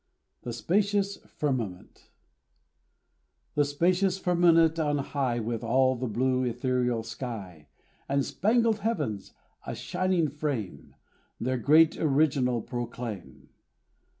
THE SPACIOUS FIRMAMENT The spacious firmament on high, With all the blue ethereal sky, And spangled heavens, a shining frame, Their great Original proclaim.